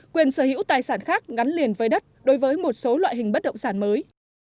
quyền sở hữu tài sản khác gắn liền với đất đối với một số loại hình bất động sản mới